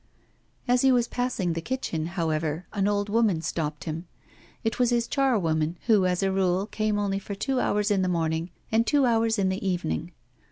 As he was passing the kitchen, however, an old woman stopped him. It was his charwoman, who, as a rule, came only for two hours in the morning and two hours in the evening.